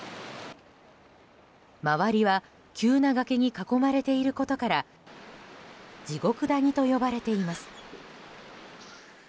周りは急な崖に囲まれていることから地獄谷と呼ばれています。